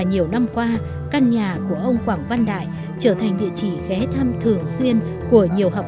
nhiều năm qua căn nhà của ông quảng văn đại trở thành địa chỉ ghé thăm thường xuyên của nhiều học